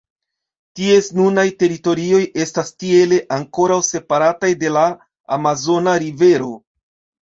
Ties nunaj teritorioj estas tiele ankoraŭ separataj de la Amazona rivero.